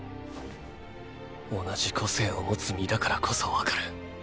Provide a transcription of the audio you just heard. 同じ個性を持つ身だからこそわかる。